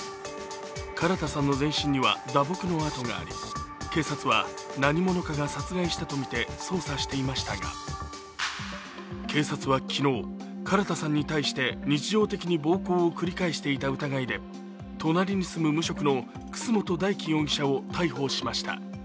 唐田さんの全身には打撲の痕があり、警察は何者かが殺害したとみて捜査していましたが、警察は昨日、唐田さんに対して日常的に暴行を繰り返していた疑いで隣に住む無職の楠本大樹容疑者を逮捕しました。